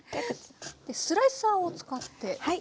スライサーを使って。